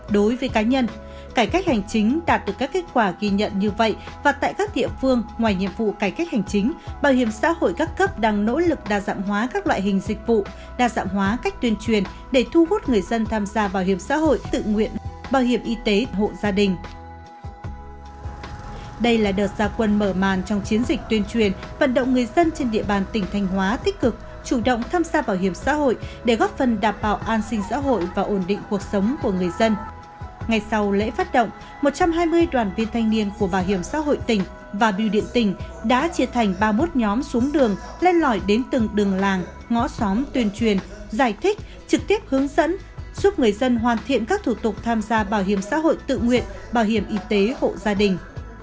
đối với cá nhân cải cách hành chính đạt được các kết quả ghi nhận như vậy và tại các địa phương ngoài nhiệm vụ cải cách hành chính bảo hiểm xã hội các cấp đang nỗ lực đa dạng hóa các loại hình dịch vụ đa dạng hóa cách tuyên truyền để thu hút người dân tham gia bảo hiểm xã hội tự nguyện bảo hiểm y tế hộ gia đình